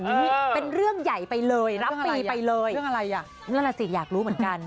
อือเป็นเรื่องใหญ่ไปเลยรับปีไปเลยนั่นแล้วสิอยากรู้เหมือนกัน